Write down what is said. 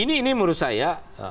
ini menurut saya